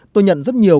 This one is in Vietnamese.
tôi nhận rất nhiều